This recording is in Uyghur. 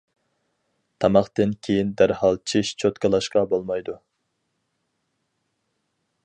تاماقتىن كېيىن دەرھال چىش چوتكىلاشقا بولمايدۇ.